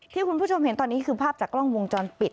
ที่คุณผู้ชมเห็นตอนนี้คือภาพจากกล้องวงจรปิด